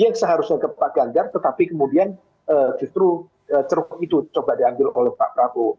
yang seharusnya ke pak ganjar tetapi kemudian justru ceruk itu coba diambil oleh pak prabowo